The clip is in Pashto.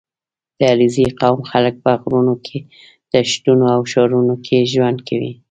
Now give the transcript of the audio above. • د علیزي قوم خلک په غرونو، دښتو او ښارونو کې ژوند کوي.